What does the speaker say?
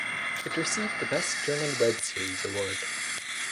It received the Best German Web Series award.